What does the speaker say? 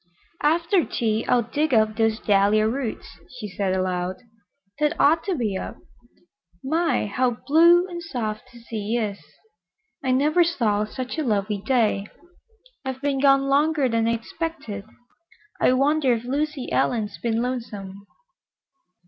"After tea I'll dig up those dahlia roots," she said aloud. "They'd ought to be up. My, how blue and soft that sea is! I never saw such a lovely day. I've been gone longer than I expected. I wonder if Lucy Ellen's been lonesome?"